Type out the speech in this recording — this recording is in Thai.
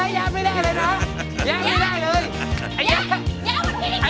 อ้ายย้าไม่ได้เลยนะย้าไม่ได้เลยนะ